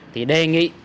thì đề nghị